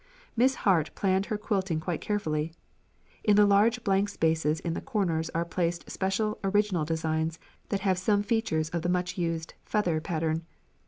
Miss Hart planned her quilting quite carefully. In the large blank spaces in the corners are placed special, original designs that have some features of the much used "feather" pattern.